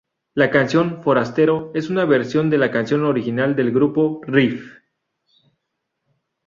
La canción "Forastero" es una versión de la canción original del grupo Riff.